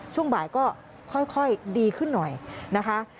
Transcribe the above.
ช่วงบ่ายก็ค่อยดีขึ้นหน่อยนะคะ